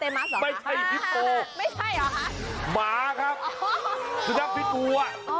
ไม่ใช่หรอหมาครับสนับที่ตัว